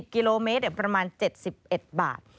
กิโลเมตรประมาณ๗๑บาท